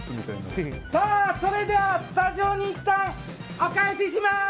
それでは、スタジオにいったんお返しします！